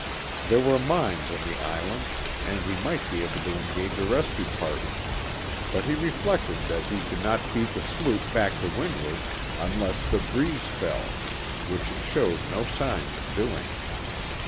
There were mines on the island, and he might be able to engage a rescue party; but he reflected that he could not beat the sloop back to windward unless the breeze fell, which it showed no signs of doing.